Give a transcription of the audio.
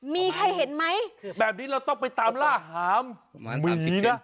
มีใครเห็นไหมแบบนี้เราต้องไปตามล่าหามผีนะ